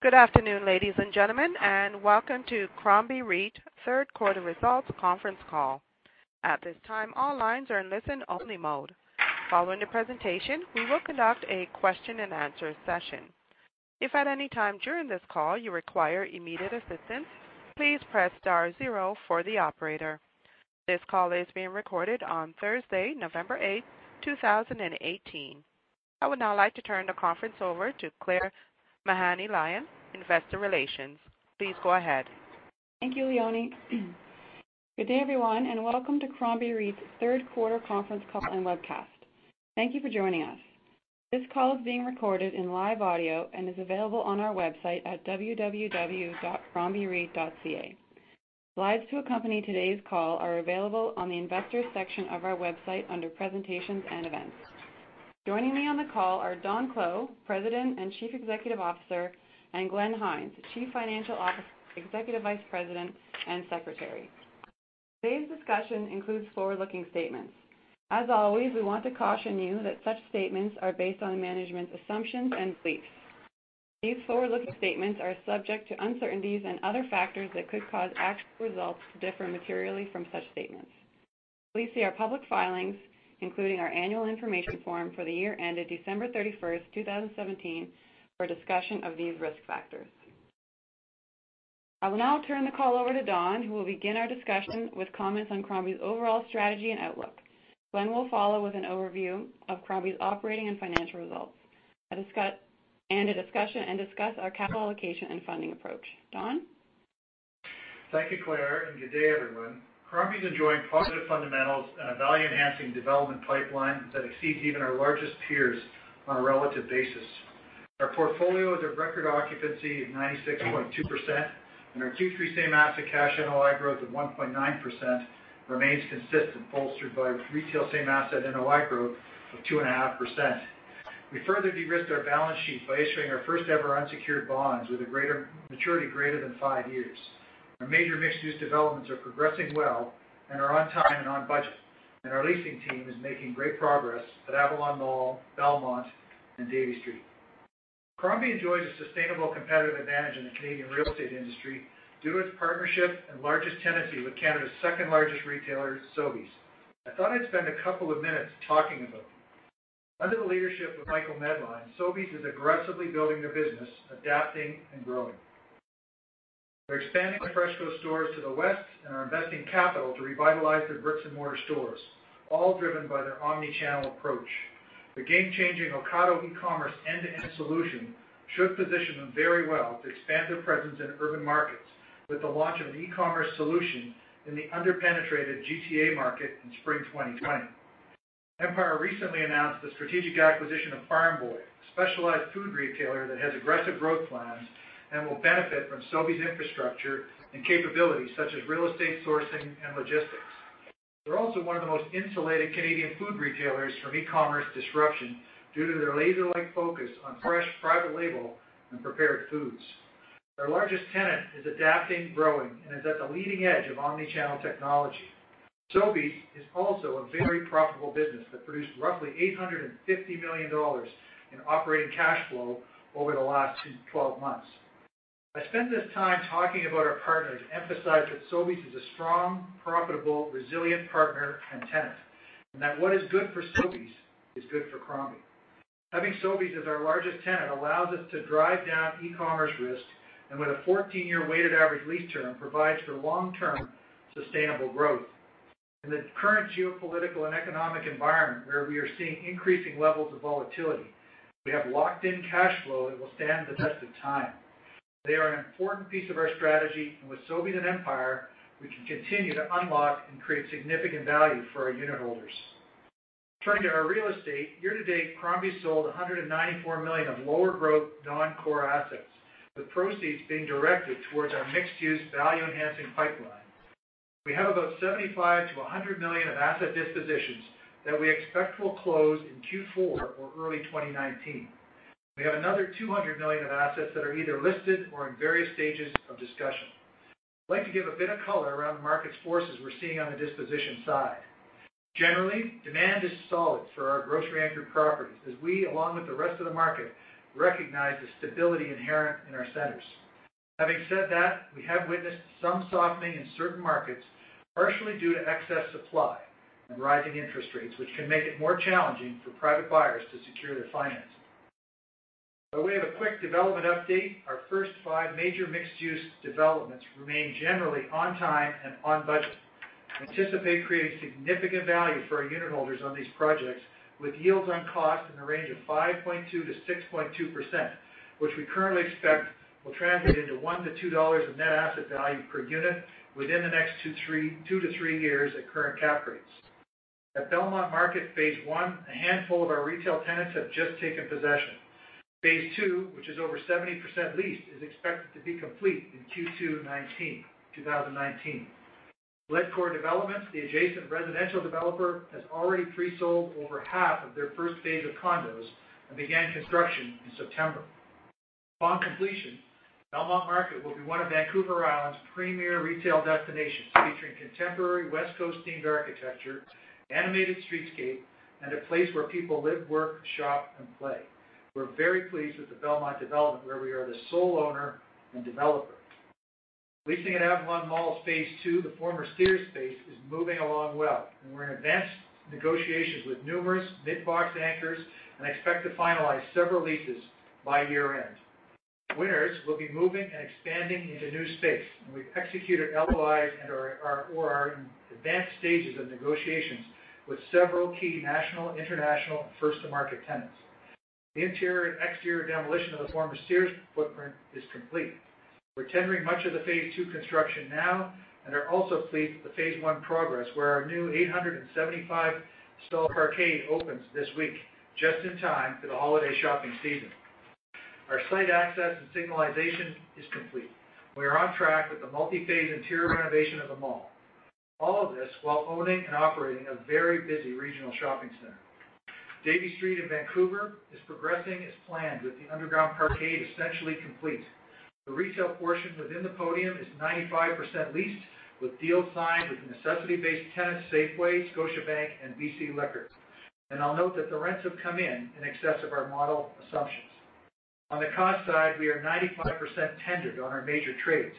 Good afternoon, ladies and gentlemen, and welcome to Crombie REIT third quarter results conference call. At this time, all lines are in listen only mode. Following the presentation, we will conduct a question and answer session. If at any time during this call you require immediate assistance, please press star zero for the operator. This call is being recorded on Thursday, November 8, 2018. I would now like to turn the conference over to Claire Mahaney Lyon, Investor Relations. Please go ahead. Thank you, Leonie. Good day, everyone, and welcome to Crombie REIT's third quarter conference call and webcast. Thank you for joining us. This call is being recorded in live audio and is available on our website at www.crombie.ca. Slides to accompany today's call are available on the investors section of our website under presentations and events. Joining me on the call are Don Clow, President and Chief Executive Officer, and Glenn Hynes, Chief Financial Executive Vice President and Secretary. Today's discussion includes forward-looking statements. As always, we want to caution you that such statements are based on management's assumptions and beliefs. These forward-looking statements are subject to uncertainties and other factors that could cause actual results to differ materially from such statements. Please see our public filings, including our annual information form for the year ended December 31, 2017, for a discussion of these risk factors. I will now turn the call over to Don, who will begin our discussion with comments on Crombie's overall strategy and outlook. Glenn will follow with an overview of Crombie's operating and financial results, and discuss our capital allocation and funding approach. Don? Thank you, Claire, and good day, everyone. Crombie's enjoying positive fundamentals and a value-enhancing development pipeline that exceeds even our largest peers on a relative basis. Our portfolio is at record occupancy of 96.2%, and our Q3 same asset cash NOI growth of 1.9% remains consistent, bolstered by retail same asset NOI growth of 2.5%. We further de-risked our balance sheet by issuing our first-ever unsecured bonds with a maturity greater than five years. Our major mixed-use developments are progressing well and are on time and on budget, and our leasing team is making great progress at Avalon Mall, Belmont, and Davie Street. Crombie enjoys a sustainable competitive advantage in the Canadian real estate industry due to its partnership and largest tenancy with Canada's second-largest retailer, Sobeys. I thought I'd spend a couple of minutes talking about them. Under the leadership of Michael Medline, Sobeys is aggressively building their business, adapting, and growing. They're expanding their FreshCo stores to the West and are investing capital to revitalize their bricks-and-mortar stores, all driven by their omnichannel approach. The game-changing Ocado eCommerce end-to-end solution should position them very well to expand their presence in urban markets with the launch of an eCommerce solution in the under-penetrated GTA market in spring 2020. Empire recently announced the strategic acquisition of Farm Boy, a specialized food retailer that has aggressive growth plans and will benefit from Sobeys' infrastructure and capabilities such as real estate sourcing and logistics. They're also one of the most insulated Canadian food retailers from eCommerce disruption due to their laser-like focus on fresh, private label, and prepared foods. Their largest tenant is adapting, growing, and is at the leading edge of omnichannel technology. Sobeys is also a very profitable business that produced roughly 850 million dollars in operating cash flow over the last 12 months. I spent this time talking about our partner to emphasize that Sobeys is a strong, profitable, resilient partner and tenant, and that what is good for Sobeys is good for Crombie. Having Sobeys as our largest tenant allows us to drive down eCommerce risk, and with a 14-year weighted average lease term, provides for long-term sustainable growth. In the current geopolitical and economic environment where we are seeing increasing levels of volatility, we have locked in cash flow that will stand the test of time. They are an important piece of our strategy, and with Sobeys and Empire, we can continue to unlock and create significant value for our unitholders. Turning to our real estate, year-to-date, Crombie sold 194 million of lower growth non-core assets, with proceeds being directed towards our mixed-use value-enhancing pipeline. We have about 75 million-100 million of asset dispositions that we expect will close in Q4 or early 2019. We have another 200 million of assets that are either listed or in various stages of discussion. I'd like to give a bit of color around the market forces we're seeing on the disposition side. Generally, demand is solid for our grocery-anchored properties as we, along with the rest of the market, recognize the stability inherent in our centers. Having said that, we have witnessed some softening in certain markets, partially due to excess supply and rising interest rates, which can make it more challenging for private buyers to secure their financing. By way of a quick development update, our first five major mixed-use developments remain generally on time and on budget. We anticipate creating significant value for our unitholders on these projects with yields on cost in the range of 5.2%-6.2%, which we currently expect will translate into 1-2 dollars of net asset value per unit within the next two to three years at current cap rates. At Belmont Market, phase one, a handful of our retail tenants have just taken possession. Phase two, which is over 70% leased, is expected to be complete in Q2 2019. Ledcor developments, the adjacent residential developer, has already pre-sold over half of their first phase of condos and began construction in September. Upon completion, Belmont Market will be one of Vancouver Island's premier retail destinations, featuring contemporary West Coast-themed architecture, animated streetscape, and a place where people live, work, shop, and play. We're very pleased with the Belmont development, where we are the sole owner and developer. Leasing at Avalon Mall Phase II, the former Sears space, is moving along well, and we're in advanced negotiations with numerous mid-box anchors and expect to finalize several leases by year-end. Winners will be moving and expanding into new space, and we've executed LOIs or are in advanced stages of negotiations with several key national, international, and first-to-market tenants. The interior and exterior demolition of the former Sears footprint is complete. We're tendering much of the Phase II construction now and are also pleased with the Phase I progress, where our new 875-stall parkade opens this week, just in time for the holiday shopping season. Our site access and signalization is complete. We are on track with the multi-phase interior renovation of the mall. All of this while owning and operating a very busy regional shopping center. Davie Street in Vancouver is progressing as planned, with the underground parkade essentially complete. The retail portion within the podium is 95% leased, with deals signed with necessity-based tenants Safeway, Scotiabank, and BC Liquor. I'll note that the rents have come in in excess of our model assumptions. On the cost side, we are 95% tendered on our major trades,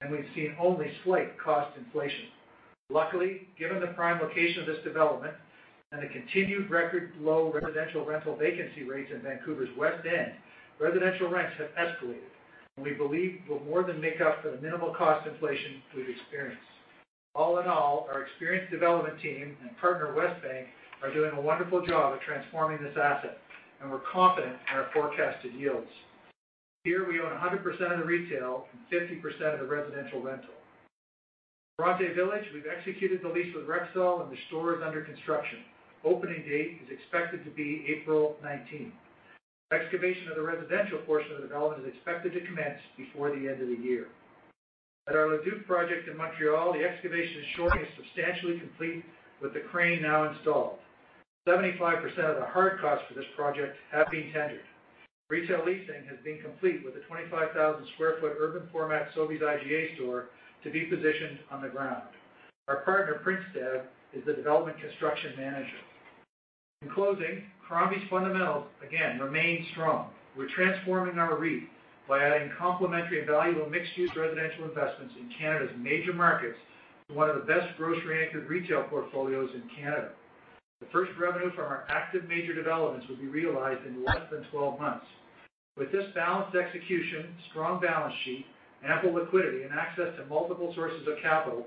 and we've seen only slight cost inflation. Luckily, given the prime location of this development and the continued record-low residential rental vacancy rates in Vancouver's West End, residential rents have escalated, and we believe will more than make up for the minimal cost inflation we've experienced. All in all, our experienced development team and partner Westbank are doing a wonderful job at transforming this asset, and we're confident in our forecasted yields. Here we own 100% of the retail and 50% of the residential rental. At Bronte Village, we've executed the lease with Rexall, and the store is under construction. Opening date is expected to be April 19. Excavation of the residential portion of the development is expected to commence before the end of the year. At our Le Duke project in Montreal, the excavation and shoring is substantially complete, with the crane now installed. 75% of the hard costs for this project have been tendered. Retail leasing has been complete, with a 25,000 square foot urban-format Sobeys IGA store to be positioned on the ground. Our partner, Prével, is the development construction manager. In closing, Crombie's fundamentals, again, remain strong. We're transforming our REIT by adding complementary and valuable mixed-use residential investments in Canada's major markets to one of the best grocery-anchored retail portfolios in Canada. The first revenue from our active major developments will be realized in less than 12 months. With this balanced execution, strong balance sheet, ample liquidity, and access to multiple sources of capital,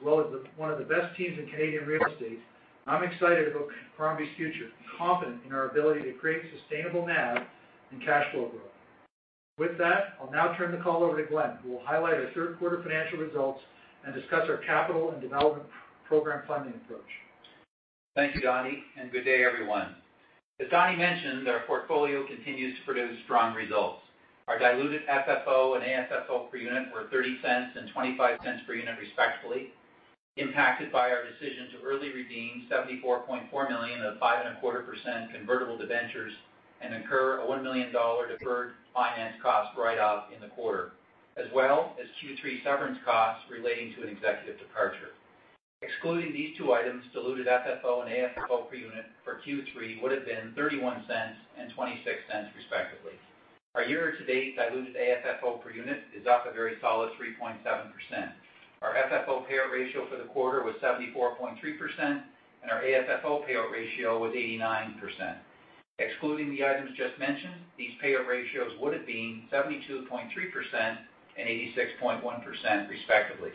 as well as one of the best teams in Canadian real estate, I'm excited about Crombie's future and confident in our ability to create sustainable NAV and cash flow growth. With that, I'll now turn the call over to Glenn, who will highlight our third quarter financial results and discuss our capital and development program funding approach. Thank you, Donnie, and good day, everyone. As Donnie mentioned, our portfolio continues to produce strong results. Our diluted FFO and AFFO per unit were 0.30 and 0.25 per unit respectively, impacted by our decision to early redeem 74.4 million of the 5.25% convertible debentures and incur a 1 million dollar deferred finance cost write-off in the quarter, as well as Q3 severance costs relating to an executive departure. Excluding these two items, diluted FFO and AFFO per unit for Q3 would've been 0.31 and 0.26 respectively. Our year-to-date diluted AFFO per unit is up a very solid 3.7%. Our FFO payout ratio for the quarter was 74.3%, and our AFFO payout ratio was 89%. Excluding the items just mentioned, these payout ratios would've been 72.3% and 86.1% respectively.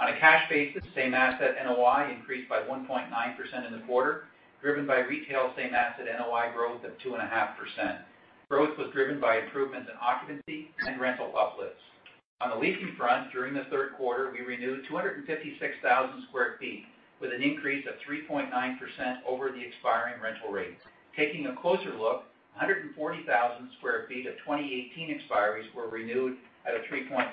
On a cash basis, same asset NOI increased by 1.9% in the quarter, driven by retail same asset NOI growth of 2.5%. Growth was driven by improvements in occupancy and rental uplifts. On the leasing front, during the third quarter, we renewed 256,000 sq ft, with an increase of 3.9% over the expiring rental rates. Taking a closer look, 140,000 sq ft of 2018 expiries were renewed at a 3.1%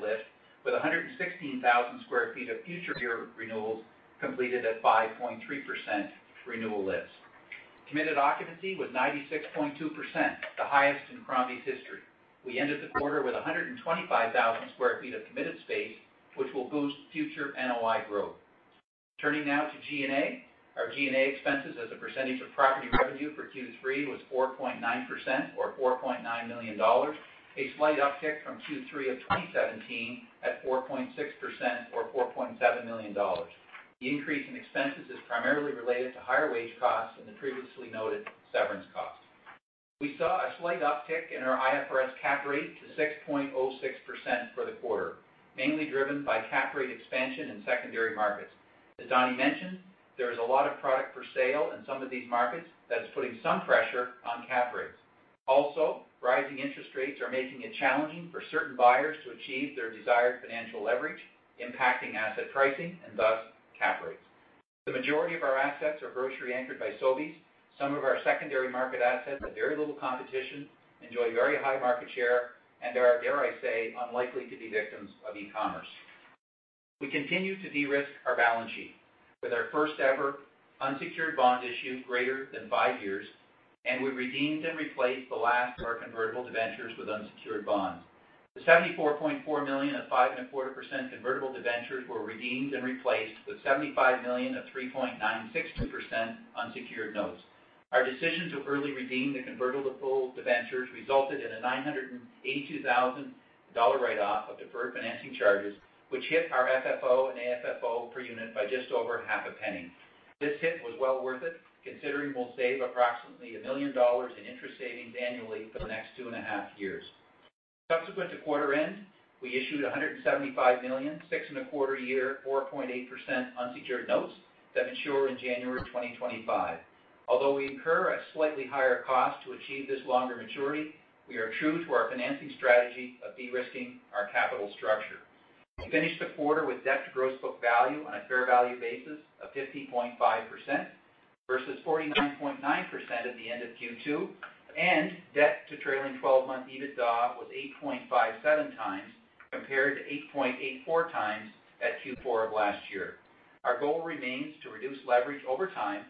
lift, with 116,000 sq ft of future year renewals completed at 5.3% renewal lifts. Committed occupancy was 96.2%, the highest in Crombie's history. We ended the quarter with 125,000 sq ft of committed space, which will boost future NOI growth. Turning now to G&A. Our G&A expenses as a percentage of property revenue for Q3 was 4.9%, or 4.9 million dollars, a slight uptick from Q3 of 2017 at 4.6%, or 4.7 million dollars. The increase in expenses is primarily related to higher wage costs and the previously noted severance costs. We saw a slight uptick in our IFRS cap rate to 6.06% for the quarter, mainly driven by cap rate expansion in secondary markets. As Donnie mentioned, there is a lot of product for sale in some of these markets that is putting some pressure on cap rates. Rising interest rates are making it challenging for certain buyers to achieve their desired financial leverage, impacting asset pricing and thus cap rates. The majority of our assets are grocery-anchored by Sobeys. Some of our secondary market assets have very little competition, enjoy very high market share, and are, dare I say, unlikely to be victims of eCommerce. We continue to de-risk our balance sheet with our first-ever unsecured bond issue greater than five years, and we redeemed and replaced the last of our convertible debentures with unsecured bonds. The 74.4 million of 5.25% convertible debentures were redeemed and replaced with 75 million of 3.96% unsecured notes. Our decision to early redeem the convertible debentures resulted in a 982,000 dollar write-off of deferred financing charges, which hit our FFO and AFFO per unit by just over half a penny. This hit was well worth it, considering we'll save approximately 1 million dollars in interest savings annually for the next two and a half years. Subsequent to quarter end, we issued 175 million 6.25-year, 4.8% unsecured notes that mature in January 2025. Although we incur a slightly higher cost to achieve this longer maturity, we are true to our financing strategy of de-risking our capital structure. We finished the quarter with debt to gross book value on a fair value basis of 50.5% versus 49.9% at the end of Q2, and debt to trailing 12-month EBITDA was 8.57 times, compared to 8.84 times at Q4 of last year. Our goal remains to reduce leverage over time.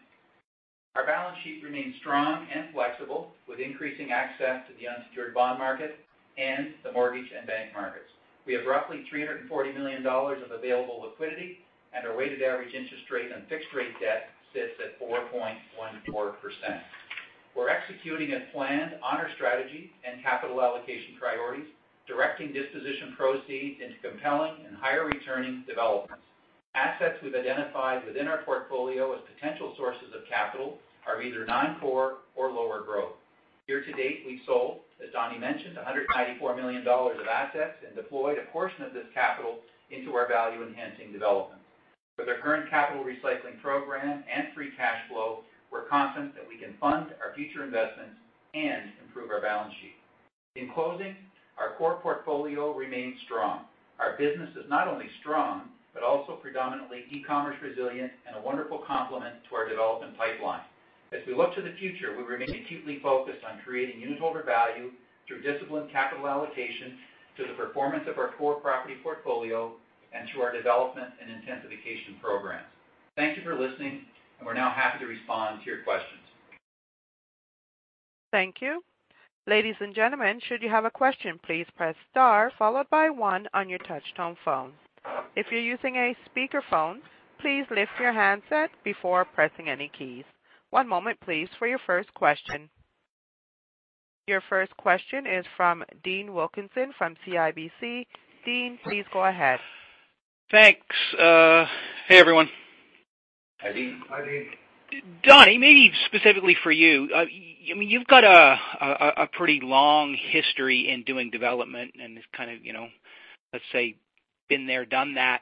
Our balance sheet remains strong and flexible, with increasing access to the unsecured bond market and the mortgage and bank markets. We have roughly 340 million dollars of available liquidity, and our weighted average interest rate on fixed-rate debt sits at 4.14%. We're executing as planned on our strategy and capital allocation priorities, directing disposition proceeds into compelling and higher-returning developments. Assets we've identified within our portfolio as potential sources of capital are either non-core or lower growth. Year to date, we sold, as Donny mentioned, 194 million dollars of assets and deployed a portion of this capital into our value-enhancing development. With our current capital recycling program and free cash flow, we're confident that we can fund our future investments and improve our balance sheet. In closing, our core portfolio remains strong. Our business is not only strong but also predominantly eCommerce resilient and a wonderful complement to our development pipeline. As we look to the future, we remain acutely focused on creating unitholder value through disciplined capital allocation to the performance of our core property portfolio and to our development and intensification programs. Thank you for listening, and we're now happy to respond to your questions. Thank you. Ladies and gentlemen, should you have a question, please press star followed by one on your touch-tone phone. If you're using a speakerphone, please lift your handset before pressing any keys. One moment, please, for your first question. Your first question is from Dean Wilkinson from CIBC. Dean, please go ahead. Thanks. Hey, everyone. Hi, Dean. Donny, maybe specifically for you. You've got a pretty long history in doing development, and let's say been there, done that.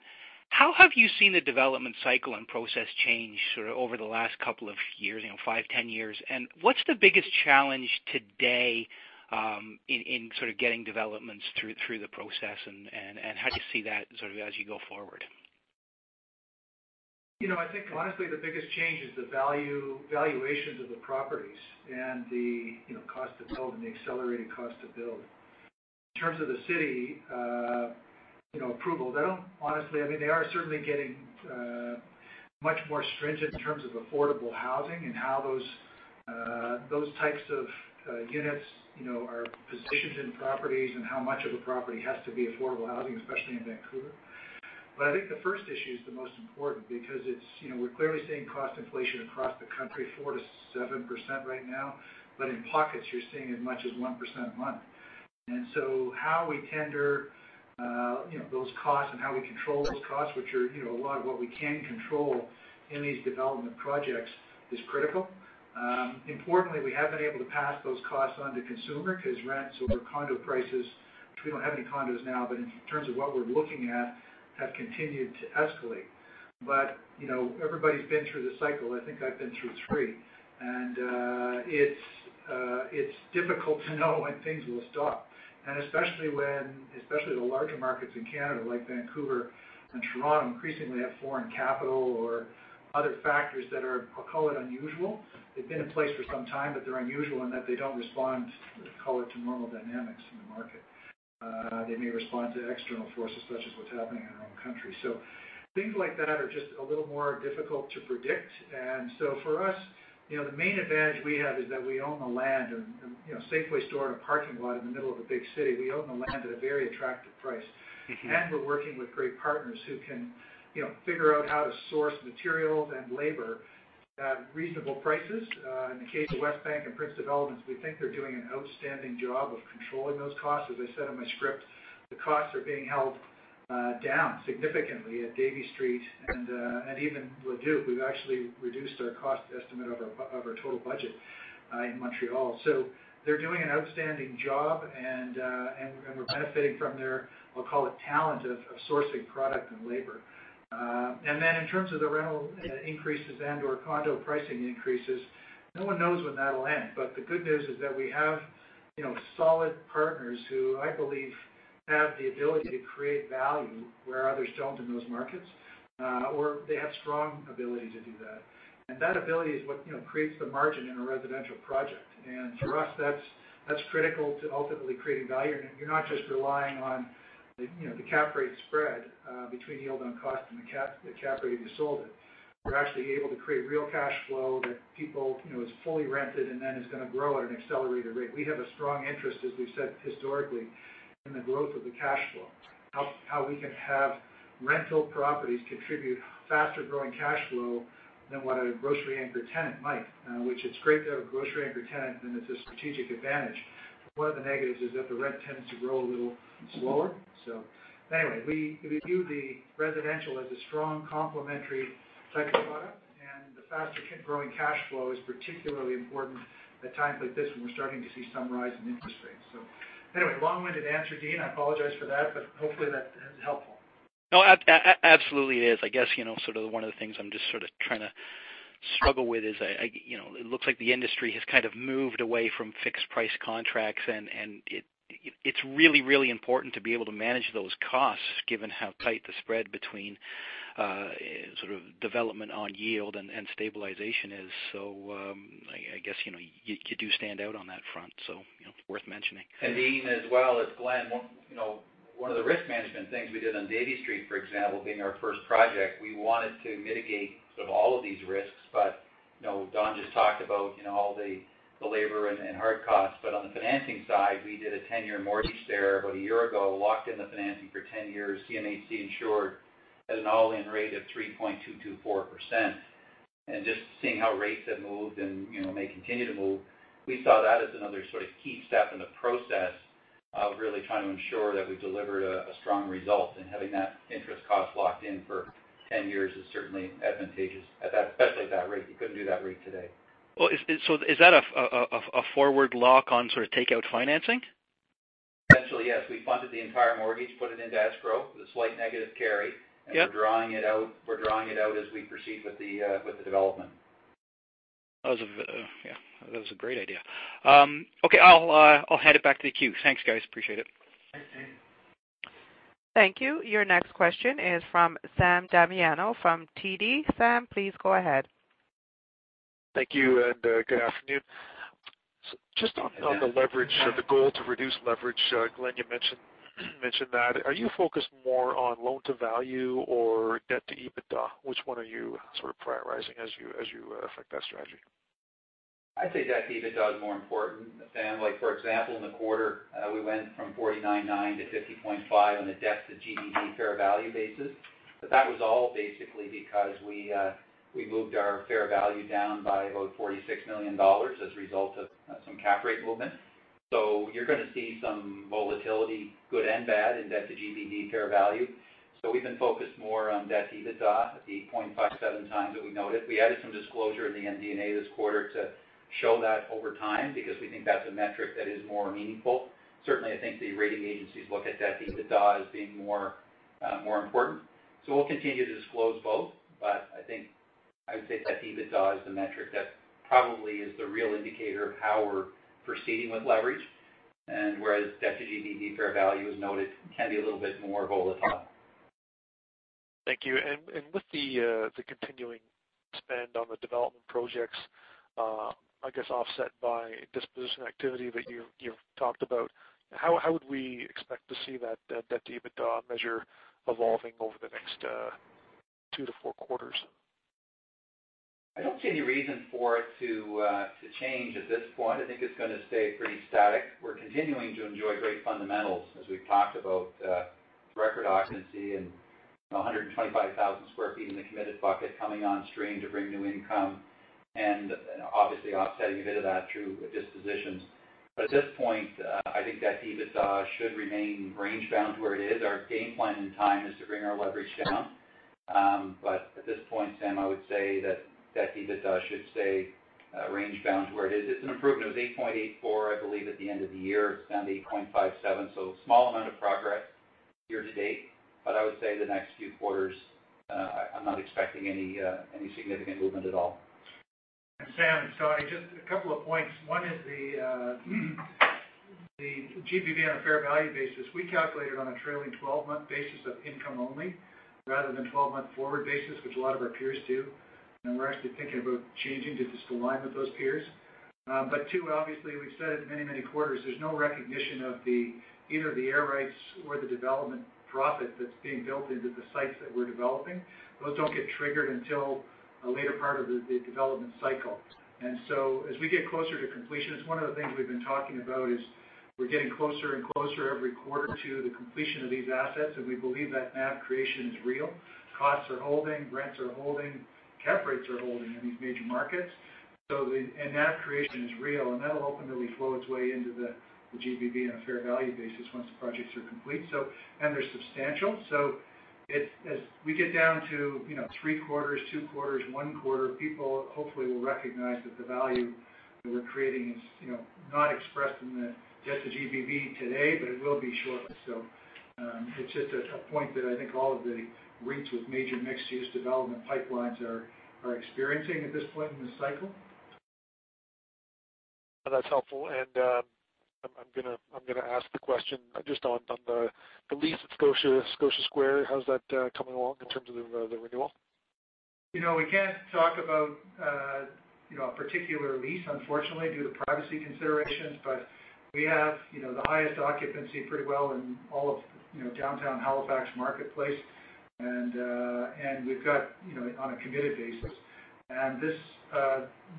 How have you seen the development cycle and process change over the last couple of years, 5, 10 years? What's the biggest challenge today in getting developments through the process, and how do you see that as you go forward? I think, honestly, the biggest change is the valuations of the properties and the cost to build and the accelerated cost to build. In terms of the city approval, they are certainly getting much more stringent in terms of affordable housing and how those types of units are positioned in properties and how much of a property has to be affordable housing, especially in Vancouver. I think the first issue is the most important because we're clearly seeing cost inflation across the country, 4%-7% right now. In pockets, you're seeing as much as 1% a month. So how we tender those costs and how we control those costs, which are a lot of what we can control in these development projects, is critical. Importantly, we have been able to pass those costs on to consumer because rents or condo prices, which we don't have any condos now, but in terms of what we're looking at, have continued to escalate. Everybody's been through the cycle. I think I've been through three. It's difficult to know when things will stop. Especially the larger markets in Canada, like Vancouver and Toronto, increasingly have foreign capital or other factors that are, I'll call it unusual. They've been in place for some time, but they're unusual in that they don't respond, call it, to normal dynamics in the market. They may respond to external forces such as what's happening in our own country. So things like that are just a little more difficult to predict. For us, the main advantage we have is that we own the land, a Safeway store, and a parking lot in the middle of a big city. We own the land at a very attractive price. We're working with great partners who can figure out how to source materials and labor at reasonable prices. In the case of Westbank and Prince Developments, we think they're doing an outstanding job of controlling those costs. As I said in my script, the costs are being held down significantly at Davie Street and even Le Duke. We've actually reduced our cost estimate of our total budget in Montreal. They're doing an outstanding job, and we're benefiting from their, I'll call it, talent of sourcing product and labor. In terms of the rental increases and/or condo pricing increases, no one knows when that'll end. The good news is that we have solid partners who I believe have the ability to create value where others don't in those markets. They have strong ability to do that. That ability is what creates the margin in a residential project. For us, that's critical to ultimately creating value. You're not just relying on the cap rate spread between yield on cost and the cap rate if you sold it. We're actually able to create real cash flow that is fully rented and then is going to grow at an accelerated rate. We have a strong interest, as we've said historically, in the growth of the cash flow, how we can have rental properties contribute faster-growing cash flow than what a grocery anchor tenant might, which it's great to have a grocery anchor tenant, and it's a strategic advantage. One of the negatives is that the rent tends to grow a little slower. Anyway, we view the residential as a strong complementary type of product, the faster growing cash flow is particularly important at times like this when we're starting to see some rise in interest rates. Anyway, long-winded answer, Dean, I apologize for that, hopefully that is helpful. No, absolutely it is. I guess, one of the things I'm just sort of trying to struggle with is it looks like the industry has kind of moved away from fixed price contracts, and it's really, really important to be able to manage those costs given how tight the spread between sort of development on yield and stabilization is. I guess, you do stand out on that front, so worth mentioning. Dean, as well as Glenn, one of the risk management things we did on Davie Street, for example, being our first project, we wanted to mitigate sort of all of these risks. Don just talked about all the labor and hard costs. On the financing side, we did a 10-year mortgage there about a year ago, locked in the financing for 10 years, CMHC insured at an all-in rate of 3.224%. Just seeing how rates have moved and may continue to move, we saw that as another sort of key step in the process of really trying to ensure that we delivered a strong result. Having that interest cost locked in for 10 years is certainly advantageous, especially at that rate. You couldn't do that rate today. Is that a forward lock on sort of takeout financing? Essentially, yes. We funded the entire mortgage, put it into escrow with a slight negative carry. Yep. We're drawing it out as we proceed with the development. That was a great idea. Okay, I'll hand it back to the queue. Thanks, guys. Appreciate it. Thanks, Dean. Thank you. Your next question is from Sam Damiani from TD. Sam, please go ahead. Thank you, good afternoon. Just on the leverage, the goal to reduce leverage, Glenn, you mentioned that. Are you focused more on loan-to-value or debt-to-EBITDA? Which one are you sort of prioritizing as you affect that strategy? I'd say debt-to-EBITDA is more important, Sam. For example, in the quarter, we went from 49.9 to 50.5 on the debt-to-GBV fair value basis. That was all basically because we moved our fair value down by about 46 million dollars as a result of some cap rate movement. You're going to see some volatility, good and bad, in debt-to-GBV fair value. We've been focused more on debt-to-EBITDA at the 8.57 times that we noted. We added some disclosure in the MD&A this quarter to show that over time, because we think that's a metric that is more meaningful. Certainly, I think the rating agencies look at debt-to-EBITDA as being more important. We'll continue to disclose both, but I think I would say debt-to-EBITDA is the metric that probably is the real indicator of how we're proceeding with leverage. Whereas debt-to-GBV fair value, as noted, can be a little bit more volatile. Thank you. With the continuing spend on the development projects, I guess offset by disposition activity that you've talked about, how would we expect to see that debt-to-EBITDA measure evolving over the next two to four quarters? I don't see any reason for it to change at this point. I think it's going to stay pretty static. We're continuing to enjoy great fundamentals, as we've talked about, record occupancy and 125,000 square feet in the committed bucket coming on stream to bring new income and obviously offsetting a bit of that through dispositions. At this point, I think debt-to-EBITDA should remain range bound to where it is. Our game plan and time is to bring our leverage down. At this point, Sam, I would say that debt-to-EBITDA should stay range bound to where it is. It's an improvement. It was 8.84, I believe, at the end of the year. It's down to 8.57, so small amount of progress year-to-date. I would say the next few quarters, I'm not expecting any significant movement at all. Sam, sorry, just a couple of points. One is the GBV on a fair value basis. We calculate it on a trailing 12-month basis of income only, rather than 12-month forward basis, which a lot of our peers do. We're actually thinking about changing just to align with those peers. Two, obviously, we've said it many, many quarters, there's no recognition of either the air rights or the development profit that's being built into the sites that we're developing. Those don't get triggered until a later part of the development cycle. As we get closer to completion, it's one of the things we've been talking about is we're getting closer and closer every quarter to the completion of these assets, and we believe that NAV creation is real. Costs are holding, rents are holding, cap rates are holding in these major markets. NAV creation is real, and that'll hopefully flow its way into the GBV on a fair value basis once the projects are complete. They're substantial. As we get down to three quarters, two quarters, one quarter, people hopefully will recognize that the value that we're creating is not expressed in the debt-to-GBV today, but it will be shortly. It's just a point that I think all of the REITs with major mixed-use development pipelines are experiencing at this point in the cycle. That's helpful. I'm going to ask the question just on the lease at Scotia Square. How's that coming along in terms of the renewal? We can't talk about a particular lease, unfortunately, due to privacy considerations. We have the highest occupancy pretty well in all of downtown Halifax marketplace, and we've got on a committed basis.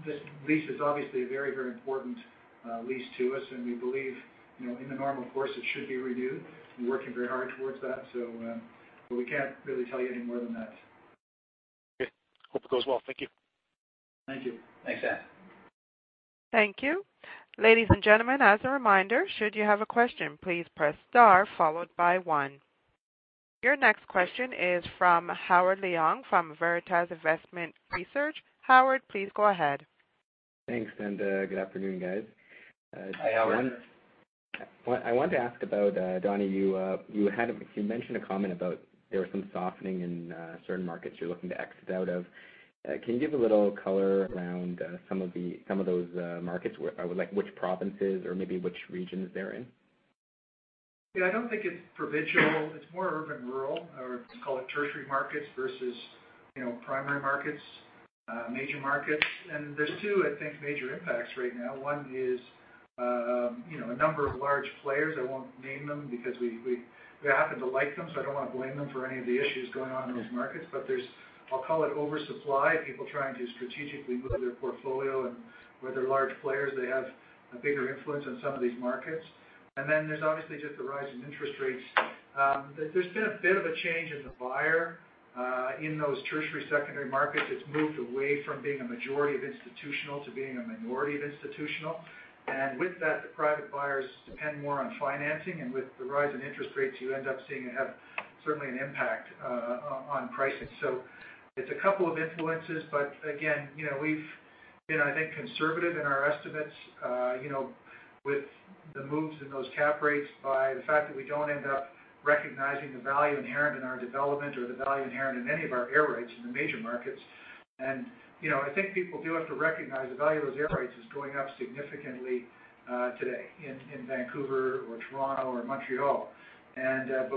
This lease is obviously a very important lease to us, and we believe, in the normal course, it should be renewed. We're working very hard towards that, we can't really tell you any more than that. Okay. Hope it goes well. Thank you. Thank you. Thanks, Don. Thank you. Ladies and gentlemen, as a reminder, should you have a question, please press star followed by one. Your next question is from Howard Leung from Veritas Investment Research. Howard, please go ahead. Thanks, good afternoon, guys. Hi, Howard. I wanted to ask about, Donnie, you mentioned a comment about there was some softening in certain markets you're looking to exit out of. Can you give a little color around some of those markets, like which provinces or maybe which regions they're in? Yeah, I don't think it's provincial. It's more urban, rural, or call it tertiary markets versus primary markets, major markets. There's two, I think, major impacts right now. One is, a number of large players, I won't name them because we happen to like them, so I don't want to blame them for any of the issues going on in those markets. There's, I'll call it oversupply, people trying to strategically move their portfolio. Where they're large players, they have a bigger influence on some of these markets. Then there's obviously just the rise in interest rates. There's been a bit of a change in the buyer, in those tertiary, secondary markets. It's moved away from being a majority of institutional to being a minority of institutional. With that, the private buyers depend more on financing, and with the rise in interest rates, you end up seeing it have certainly an impact on pricing. It's a couple of influences, but again, we've been, I think, conservative in our estimates, with the moves in those cap rates by the fact that we don't end up recognizing the value inherent in our development or the value inherent in any of our air rights in the major markets. I think people do have to recognize the value of those air rights is going up significantly, today in Vancouver or Toronto or Montreal.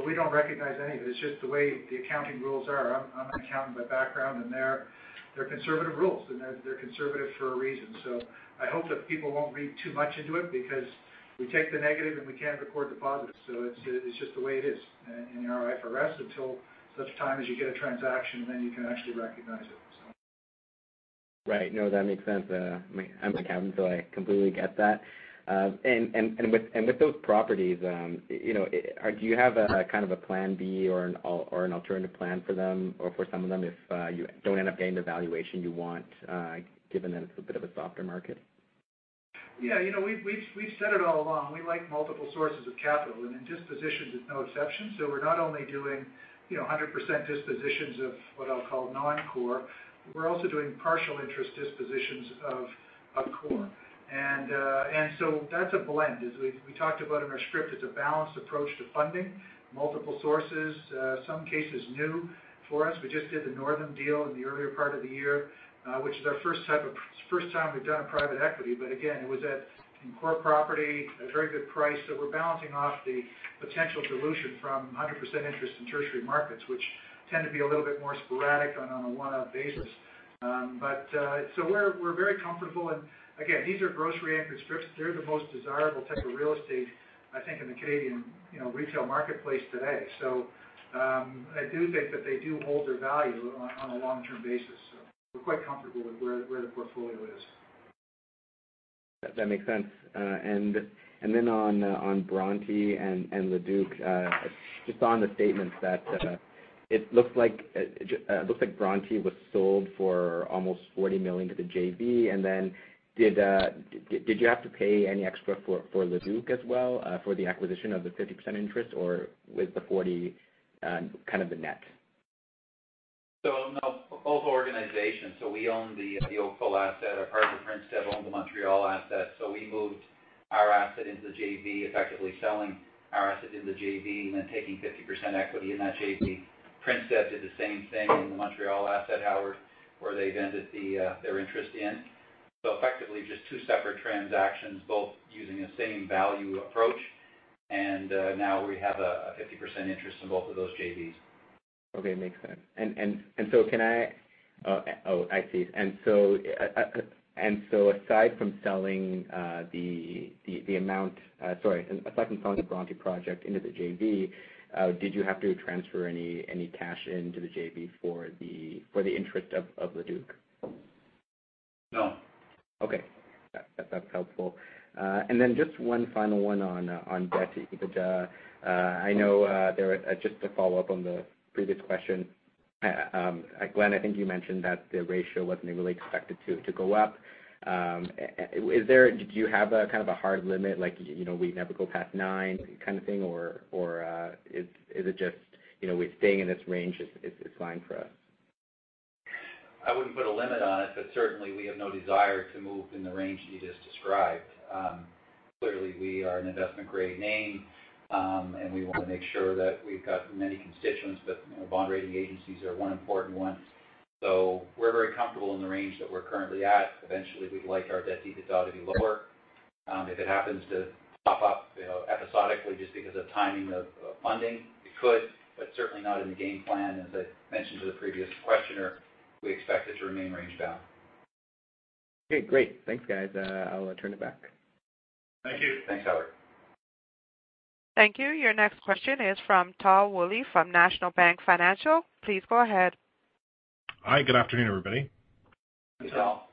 We don't recognize any of it. It's just the way the accounting rules are. I'm an accountant by background, and they're conservative rules, and they're conservative for a reason. I hope that people won't read too much into it because we take the negative, and we can't record the positive. It's just the way it is in our IFRS until such time as you get a transaction, then you can actually recognize it. Right. No, that makes sense. I'm an accountant, I completely get that. With those properties, do you have a kind of a plan B or an alternative plan for them or for some of them if you don't end up getting the valuation you want, given that it's a bit of a softer market? Yeah, we've said it all along. We like multiple sources of capital, and in dispositions, it's no exception. We're not only doing 100% dispositions of what I'll call non-core. We're also doing partial interest dispositions of core. That's a blend. As we talked about in our script, it's a balanced approach to funding, multiple sources, some cases new for us. We just did the Northam deal in the earlier part of the year, which is our first time we've done a private equity. Again, it was in core property at a very good price. We're balancing off the potential dilution from 100% interest in tertiary markets, which tend to be a little bit more sporadic and on a one-off basis. We're very comfortable, and again, these are grocery-anchored strips. They're the most desirable type of real estate, I think, in the Canadian retail marketplace today. I do think that they do hold their value on a long-term basis. We're quite comfortable with where the portfolio is. That makes sense. On Bronte and Le Duke, just on the statements that it looks like Bronte was sold for almost 40 million to the JV, and then did you have to pay any extra for Le Duke as well for the acquisition of the 50% interest, or was the 40 kind of the net? No, both organizations. We own the Oakville asset, or part of Prével owned the Montreal asset. We moved our asset into the JV, effectively selling our asset into the JV and then taking 50% equity in that JV. Prével did the same thing in the Montreal asset, Howard, where they've ended their interest in. Effectively, just two separate transactions, both using the same value approach. Now we have a 50% interest in both of those JVs. Okay, makes sense. I see. Aside from selling the Bronte project into the JV, did you have to transfer any cash into the JV for the interest of Le Duc? No. Okay. That's helpful. Just one final one on debt to EBITDA. Just to follow up on the previous question. Glenn, I think you mentioned that the ratio wasn't really expected to go up. Do you have a kind of a hard limit, like we never go past nine kind of thing, or is it just, we're staying in this range is fine for us? I wouldn't put a limit on it. Certainly we have no desire to move in the range you just described. We are an investment-grade name. We want to make sure that we've got many constituents. Bond rating agencies are one important one. We're very comfortable in the range that we're currently at. Eventually, we'd like our debt-to-EBITDA to be lower. If it happens to pop up episodically just because of timing of funding, it could. Certainly not in the game plan. As I mentioned to the previous questioner, we expect it to remain range-bound. Okay, great. Thanks, guys. I'll turn it back. Thank you. Thanks, Howard. Thank you. Your next question is from Tal Woolley of National Bank Financial. Please go ahead. Hi, good afternoon, everybody. Hi, Tal.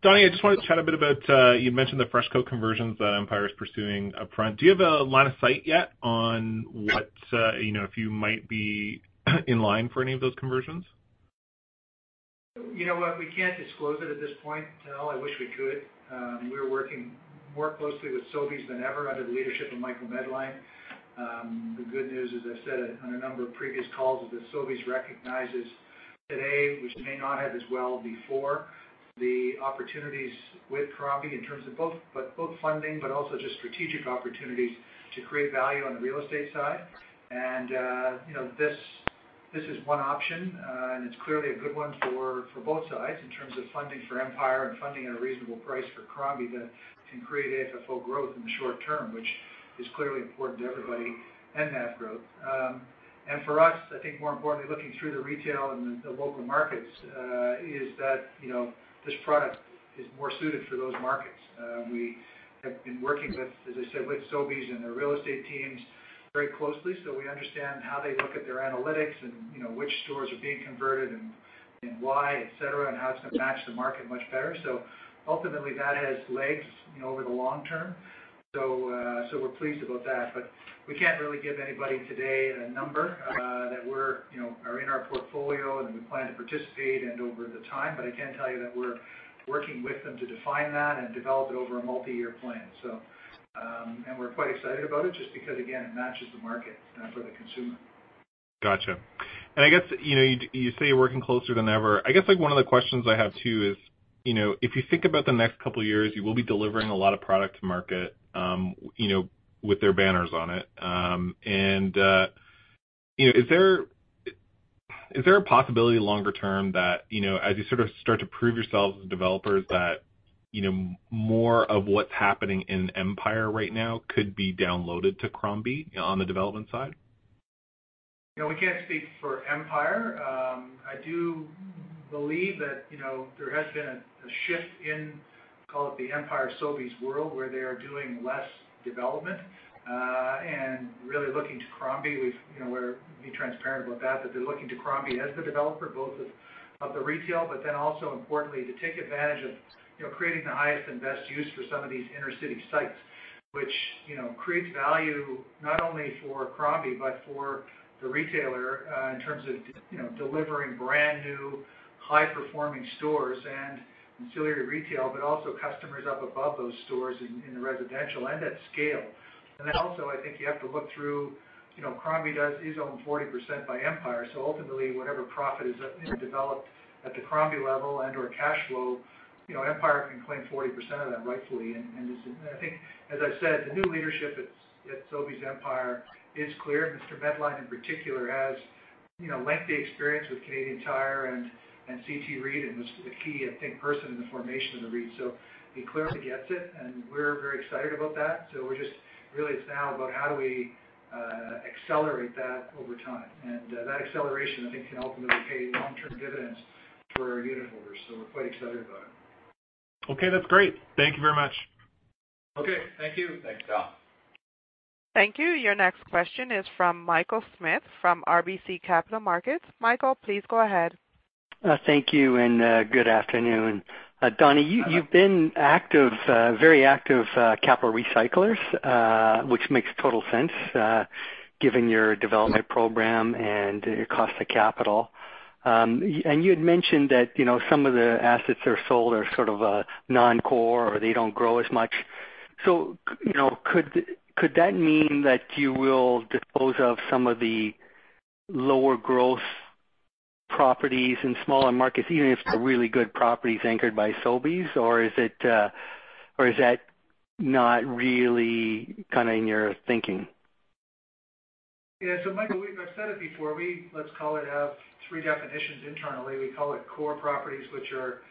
Donnie, I just wanted to chat a bit about, you mentioned the FreshCo conversions that Empire is pursuing upfront. Do you have a line of sight yet on if you might be in line for any of those conversions? You know what? We can't disclose it at this point, Tal. I wish we could. We're working more closely with Sobeys than ever under the leadership of Michael Medline. The good news, as I've said on a number of previous calls, is that Sobeys recognizes today, which may not have as well before, the opportunities with Crombie in terms of both funding but also just strategic opportunities to create value on the real estate side. This is one option, and it's clearly a good one for both sides in terms of funding for Empire and funding at a reasonable price for Crombie that can create AFFO growth in the short term, which is clearly important to everybody, and NAV growth. For us, I think more importantly, looking through the retail and the local markets, is that this product is more suited for those markets. We have been working with, as I said, with Sobeys and their real estate teams very closely, so we understand how they look at their analytics and which stores are being converted and why, et cetera, and how it's going to match the market much better. Ultimately, that has legs over the long term. We're pleased about that, but we can't really give anybody today a number that are in our portfolio, and we plan to participate and over the time. I can tell you that we're working with them to define that and develop it over a multi-year plan. We're quite excited about it just because, again, it matches the market for the consumer. Got you. I guess, you say you're working closer than ever. I guess one of the questions I have, too, is if you think about the next couple of years, you will be delivering a lot of product to market with their banners on it. Is there a possibility longer term that, as you sort of start to prove yourselves as developers, that more of what's happening in Empire right now could be downloaded to Crombie on the development side? We can't speak for Empire. I do believe that there has been a shift in, call it the Empire Sobeys world, where they are doing less development, really looking to Crombie. We're being transparent about that, they're looking to Crombie as the developer, both of the retail, also importantly, to take advantage of creating the highest and best use for some of these inner-city sites, which creates value not only for Crombie but for the retailer in terms of delivering brand-new, high-performing stores and ancillary retail, also customers up above those stores in the residential and at scale. Also, I think you have to look through Crombie is owned 40% by Empire, so ultimately, whatever profit is developed at the Crombie level and/or cash flow, Empire can claim 40% of that rightfully. I think, as I said, the new leadership at Sobeys Empire is clear. Mr. Medline in particular has lengthy experience with Canadian Tire and CT REIT and was a key, I think, person in the formation of the REIT. He clearly gets it, we're very excited about that. Really, it's now about how do we accelerate that over time. That acceleration, I think, can ultimately pay long-term dividends for our unitholders, we're quite excited about it. Okay, that's great. Thank you very much. Okay, thank you. Thanks, Tal. Thank you. Your next question is from Michael Smith from RBC Capital Markets. Michael, please go ahead. Thank you. Good afternoon. Donnie, you've been very active capital recyclers, which makes total sense, given your development program and your cost of capital. You had mentioned that some of the assets that are sold are sort of non-core, or they don't grow as much. Could that mean that you will dispose of some of the lower gross properties in smaller markets, even if they're really good properties anchored by Sobeys, or is that not really in your thinking? Yeah. Michael, I've said it before. We, let's call it, have three definitions internally. We call it core properties, which are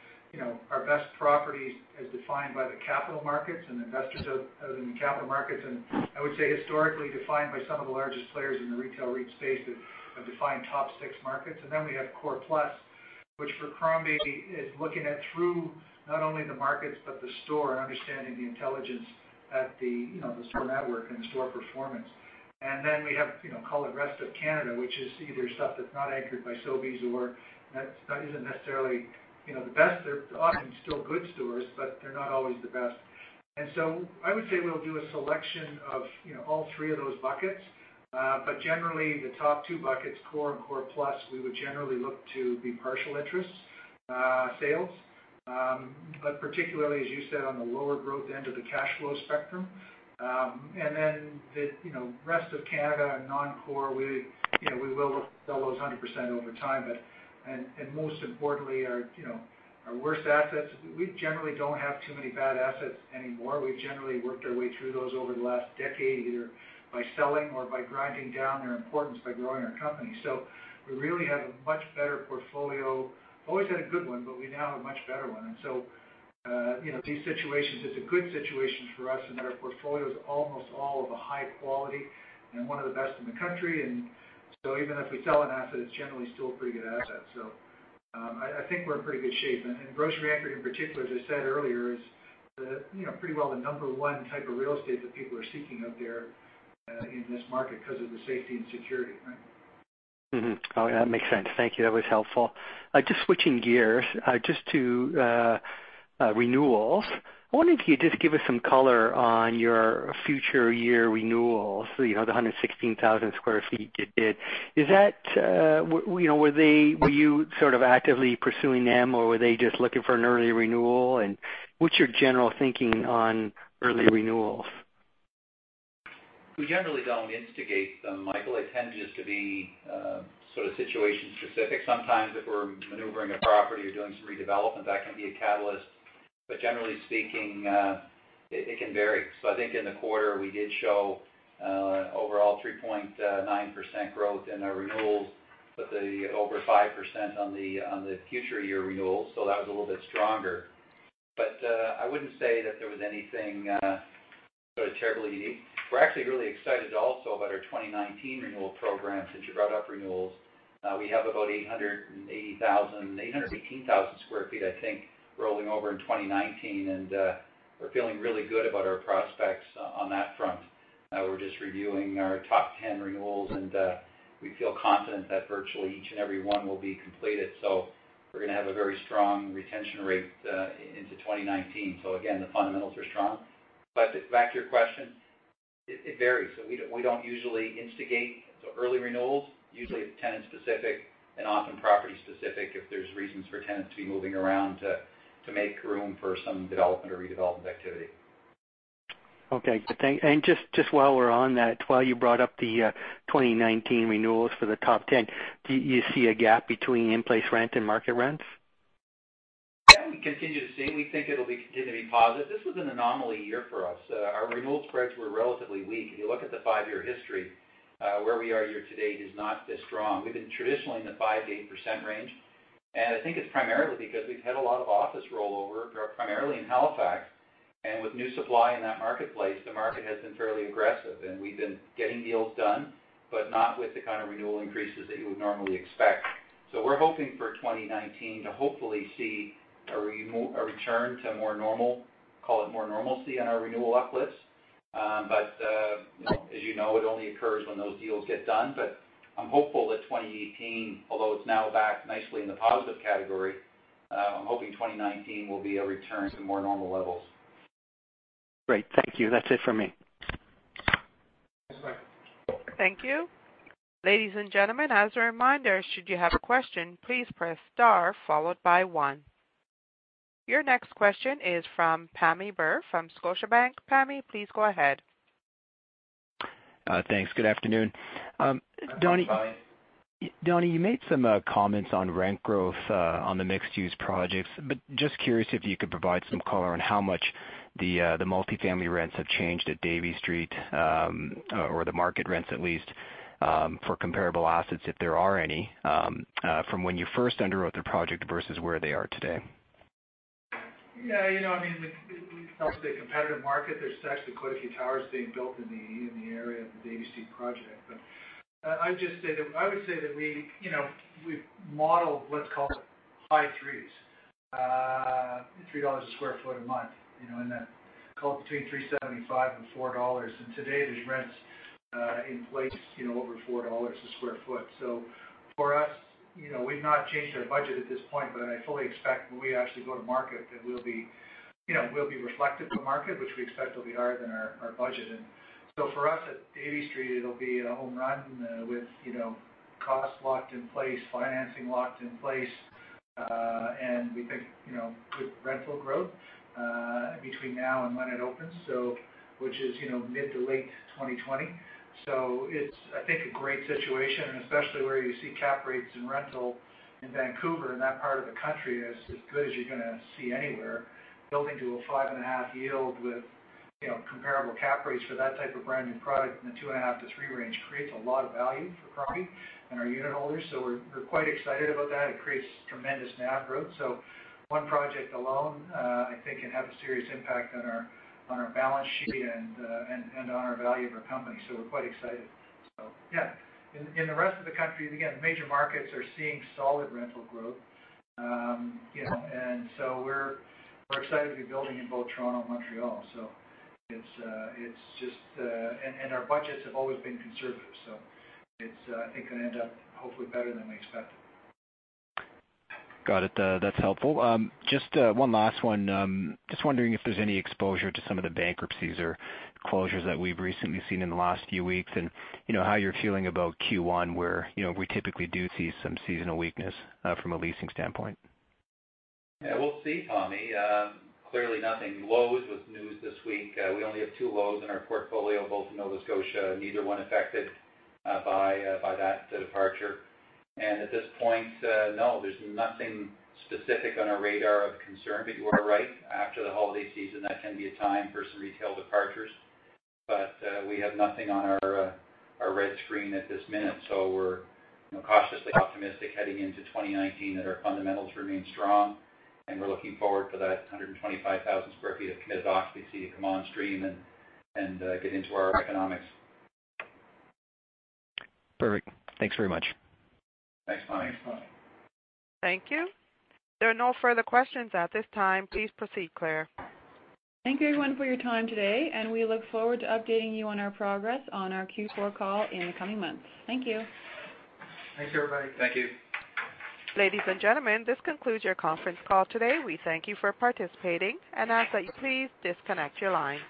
our best properties as defined by the capital markets and investors out in the capital markets. I would say historically defined by some of the largest players in the retail REIT space that have defined top six markets. Then we have core plus, which for Crombie is looking at through not only the markets but the store and understanding the intelligence at the store network and the store performance. Then we have call it rest of Canada, which is either stuff that's not anchored by Sobeys or that isn't necessarily the best. They're often still good stores, but they're not always the best. I would say we'll do a selection of all three of those buckets. Generally, the top 2 buckets, core and core plus, we would generally look to be partial interest sales. Particularly, as you said, on the lower growth end of the cash flow spectrum. Then the rest of Canada and non-core, we will sell those 100% over time. Most importantly, our worst assets, we generally don't have too many bad assets anymore. We've generally worked our way through those over the last decade, either by selling or by grinding down their importance by growing our company. We really have a much better portfolio. Always had a good one, but we now have a much better one. These situations, it's a good situation for us in that our portfolio is almost all of a high quality and one of the best in the country. Even if we sell an asset, it's generally still a pretty good asset. I think we're in pretty good shape. Grocery anchored in particular, as I said earlier, is pretty well the number 1 type of real estate that people are seeking out there in this market because of the safety and security. Yeah, makes sense. Thank you. That was helpful. Just switching gears just to renewals. I wonder if you could just give us some color on your future year renewals, the 116,000 sq ft you did. Were you sort of actively pursuing them, or were they just looking for an early renewal, what's your general thinking on early renewals? We generally don't instigate them, Michael. It tends just to be sort of situation-specific. Sometimes if we're maneuvering a property or doing some redevelopment, that can be a catalyst, but generally speaking, it can vary. I think in the quarter, we did show overall 3.9% growth in our renewals, but the over 5% on the future year renewals. That was a little bit stronger. I wouldn't say that there was anything sort of terribly unique. We're actually really excited also about our 2019 renewal program, since you brought up renewals. We have about 818,000 square feet, I think, rolling over in 2019, and we're feeling really good about our prospects on that front. We're just reviewing our top 10 renewals, and we feel confident that virtually each and every one will be completed. We're going to have a very strong retention rate into 2019. Again, the fundamentals are strong. Back to your question, it varies. We don't usually instigate early renewals. Usually, it's tenant-specific and often property-specific if there's reasons for tenants to be moving around to make room for some development or redevelopment activity. Okay. Good, thanks. Just while we're on that, while you brought up the 2019 renewals for the top 10, do you see a gap between in-place rent and market rents? That, we continue to see, and we think it'll continue to be positive. This was an anomaly year for us. Our renewal spreads were relatively weak. If you look at the five-year history, where we are year-to-date is not this strong. We've been traditionally in the 5%-8% range, and I think it's primarily because we've had a lot of office rollover, primarily in Halifax. With new supply in that marketplace, the market has been fairly aggressive, and we've been getting deals done, but not with the kind of renewal increases that you would normally expect. We're hoping for 2019 to hopefully see a return to more normal, call it more normalcy on our renewal uplifts. As you know, it only occurs when those deals get done. I'm hopeful that 2018, although it's now back nicely in the positive category, I'm hoping 2019 will be a return to more normal levels. Great. Thank you. That's it for me. Thanks, Michael. Thank you. Ladies and gentlemen, as a reminder, should you have a question, please press star followed by 1. Your next question is from Pammi Bir from Scotiabank. Pammi, please go ahead. Thanks. Good afternoon. Hi, Pammi. Donnie, you made some comments on rent growth on the mixed-use projects. Just curious if you could provide some color on how much the multifamily rents have changed at Davie Street, or the market rents at least, for comparable assets, if there are any, from when you first underwrote the project versus where they are today. We felt it's a competitive market. There's actually quite a few towers being built in the area of the Davie Street project. I would say that we've modeled, let's call it high threes. 3 dollars a square foot a month, in that call it between 3.75 and 4 dollars. Today, there's rents in place over 4 dollars a square foot. For us, we've not changed our budget at this point, but I fully expect when we actually go to market that we'll be reflective of the market, which we expect will be higher than our budget. For us at Davie Street, it'll be a home run with costs locked in place, financing locked in place, and we think good rental growth, between now and when it opens. Which is mid to late 2020. It's, I think, a great situation, and especially where you see cap rates in rental in Vancouver and that part of the country is as good as you're going to see anywhere. Building to a five-and-a-half yield with comparable cap rates for that type of brand-new product in the two-and-a-half to three range creates a lot of value for Crombie and our unit holders. We're quite excited about that. It creates tremendous NAV growth. One project alone, I think, can have a serious impact on our balance sheet and on our value of our company. We're quite excited. Yeah. In the rest of the country, again, major markets are seeing solid rental growth. We're excited to be building in both Toronto and Montreal, and our budgets have always been conservative. It's, I think, going to end up hopefully better than we expected. Got it. That's helpful. Just one last one. Just wondering if there's any exposure to some of the bankruptcies or closures that we've recently seen in the last few weeks and how you're feeling about Q1, where we typically do see some seasonal weakness from a leasing standpoint. Yeah, we'll see, Pammi. Clearly nothing. Lowe's was news this week. We only have two Lowe's in our portfolio, both in Nova Scotia, neither one affected by that departure. At this point, no, there's nothing specific on our radar of concern. You are right. After the holiday season, that can be a time for some retail departures. We have nothing on our red screen at this minute, we're cautiously optimistic heading into 2019 that our fundamentals remain strong, and we're looking forward to that 125,000 sq ft of committed occupancy to come on stream and get into our economics. Perfect. Thanks very much. Thanks, Pammi. Thank you. There are no further questions at this time. Please proceed, Claire. Thank you, everyone, for your time today, and we look forward to updating you on our progress on our Q4 call in the coming months. Thank you. Thanks, everybody. Thank you. Ladies and gentlemen, this concludes your conference call today. We thank you for participating and ask that you please disconnect your lines.